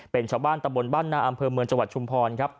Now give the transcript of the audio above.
เป็นชาวบ้านตำบลบ้านนาอำเภอเมืองจังหวัดชุมพรครับ